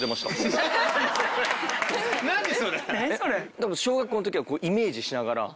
でも小学校の時はイメージしながら。